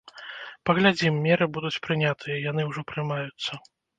Паглядзім, меры будуць прынятыя, яны ўжо прымаюцца.